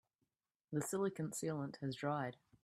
The silicon sealant has dried.